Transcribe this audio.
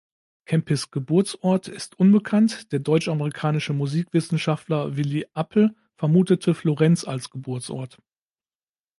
Kempis’ Geburtsort ist unbekannt, der deutsch-amerikanische Musikwissenschaftler Willi Apel vermutete Florenz als Geburtsort.